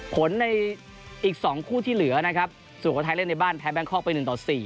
ผลในอีกสองคู่ที่เหลือนะครับส่วนให้ไทน์เล่นในบ้านแพ้แบงคอกไปหนึ่งต่อสี่